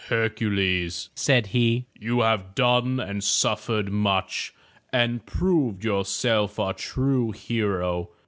"Hercules,'' said he, *Vou have done and suffered much, and proved yourself a true hero.